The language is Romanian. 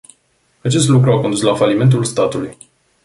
Acest lucru a condus la falimentul statului.